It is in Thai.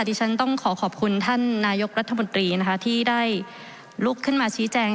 ดิฉันต้องขอขอบคุณท่านนายกรัฐมนตรีนะคะที่ได้ลุกขึ้นมาชี้แจง